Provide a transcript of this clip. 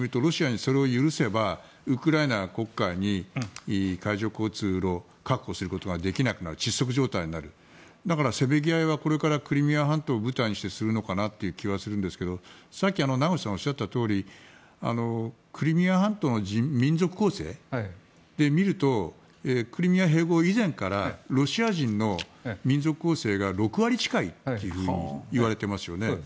一方のウクライナにしてみるとロシアにそれを許せばウクライナは黒海に海上交通路を確保することができなくなるせめぎ合いはこれからクリミア半島を舞台にする気がしますがさっき名越さんがおっしゃったとおりクリミア半島の民族構成で見るとクリミア併合以前からロシア人の民族構成が６割近いといわれていますよね。